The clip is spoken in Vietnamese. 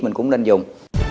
mình cũng nên dùng